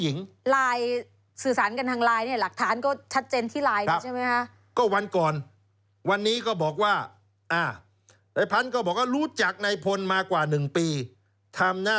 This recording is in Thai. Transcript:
เห็นบอกว่าพันธุ์นี้เป็นผู้หญิง